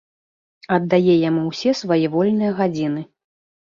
Аддае яму ўсе свае вольныя гадзіны.